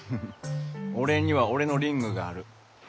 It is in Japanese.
俺には俺のリングがある。